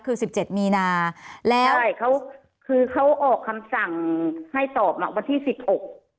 คือสิบเจ็ดมีนาแล้วใช่เขาคือเขาออกคำสั่งให้ตอบน่ะวันที่สิบหก